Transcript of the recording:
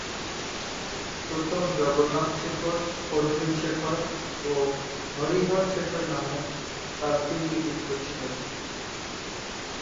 প্রথম জগন্নাথ শেখর, অর্জুন শেখর ও হরিহর শেখর নামক তার তিন পুত্র ছিল।